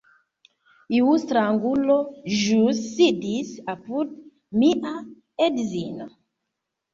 Iu strangulo ĵus sidis apud mia edzino